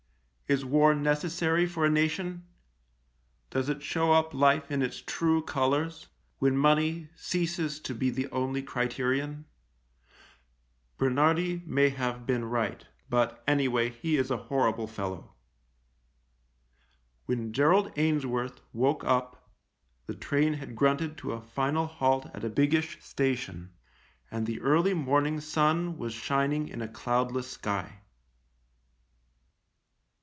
Is war necessary for a nation ? Does it show up life in its true colours — when money ceases to be the only criterion ? Bernhardi may have been right, but, any way, he is a horrible fellow. When Gerald Ainsworth woke up the train had grunted to a final halt at a biggish station, and the early morning sun was shining in a cloudless sky.